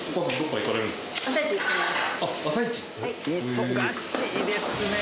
忙しいですね。